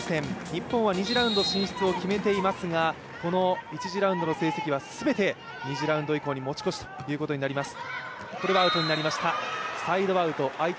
日本は２次ラウンドを決めていますが１次ラウンドの成績は全て２次ラウンドに持ち越しということになっています。